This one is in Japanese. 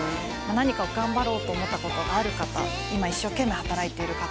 何かを頑張ろうと思ったことのある方今一生懸命働いている方